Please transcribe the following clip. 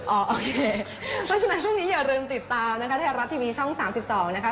โอเคเพราะฉะนั้นทุกนี้อย่าลืมติดตามนะครับแท้รัฐทีวีช่อง๓๒นะครับ